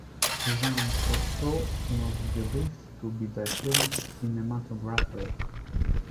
Jean Cocteau was believed to be the film's cinematographer.